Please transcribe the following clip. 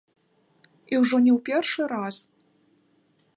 І ўжо не ў першы раз.